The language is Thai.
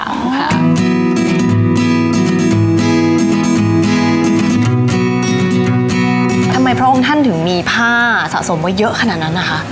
ทำไมพระองค์ท่านถึงมีผ้าสะสมไว้เยอะขนาดนั้นนะคะ